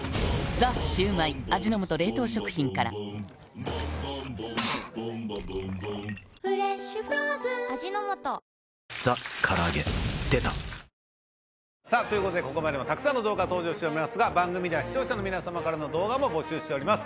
「ザ★シュウマイ」味の素冷凍食品から「ザ★から揚げ」出たここまでもたくさんの動画登場しておりますが番組では視聴者の皆様からの動画も募集しております